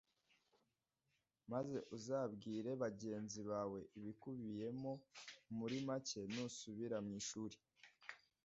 maze uzabwire bagenzi bawe ibikubiyemo muri make nusubira mu ishuri.